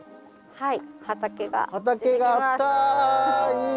はい。